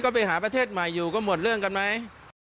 ไปหาประเทศใหม่อยู่ก็หมดเรื่องกันไหม